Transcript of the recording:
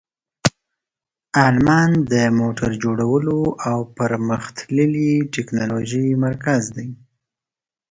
آلمان د موټر جوړولو او پرمختللې تکنالوژۍ مرکز دی.